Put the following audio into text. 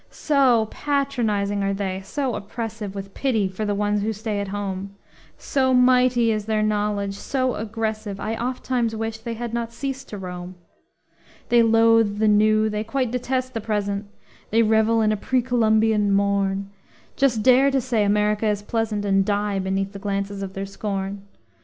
So patronizing are they, so oppressive, With pity for the ones who stay at home, So mighty is their knowledge, so aggressive, I ofttimes wish they had not ceased to roam. They loathe the new, they quite detest the present; They revel in a pre Columbian morn; Just dare to say America is pleasant, And die beneath the glances of their scorn.